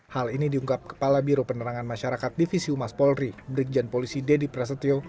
hal ini diungkap kepala biro penerangan masyarakat divisi umas polri brigjen polisi deddy prasetyo